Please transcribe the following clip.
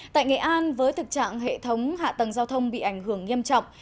tại nghệ an với thực trạng hệ thống hạ tầng giao thông bị ảnh hưởng nghiêm trọng